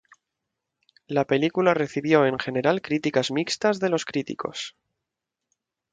La película recibió en general críticas mixtas de los críticos.